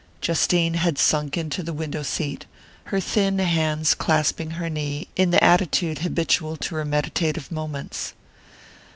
Justine had sunk into the window seat, her thin hands clasping her knee, in the attitude habitual to her meditative moments.